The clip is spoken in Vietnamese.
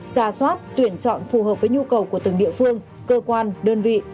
ra soát tuyển chọn phù hợp với nhu cầu của từng địa phương cơ quan đơn vị